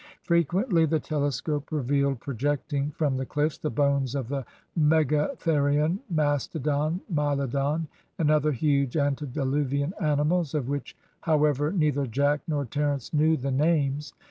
Frequently the telescope revealed projecting from the cliffs the bones of the megatherion, mastodon, milodon, and other huge antediluvian animals, of which, however, neither Jack nor Terence knew the names.